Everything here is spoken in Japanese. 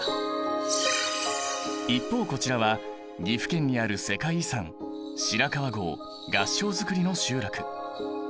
一方こちらは岐阜県にある世界遺産白川郷合掌造りの集落。